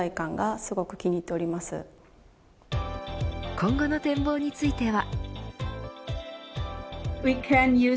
今後の展望については。